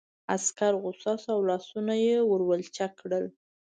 عسکر غوسه شو او لاسونه یې ور ولچک کړل